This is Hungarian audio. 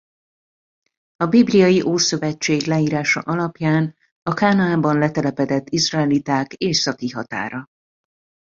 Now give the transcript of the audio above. A bibliai Ószövetség leírása alapján a Kánaánban letelepedett izraeliták északi határa.